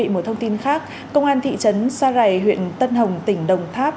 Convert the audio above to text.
một thông tin khác công an thị trấn sa rài huyện tân hồng tỉnh đồng tháp